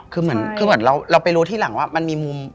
คือเหมือนเราไปรู้ทีหลังว่ามันมีมุม